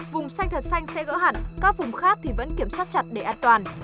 vùng xanh thật xanh sẽ gỡ hạn các vùng khác thì vẫn kiểm soát chặt để an toàn